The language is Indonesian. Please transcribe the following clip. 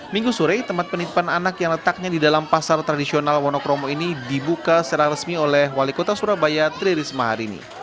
minggu sore tempat penitipan anak yang letaknya di dalam pasar tradisional wonokromo ini dibuka secara resmi oleh wali kota surabaya tri risma hari ini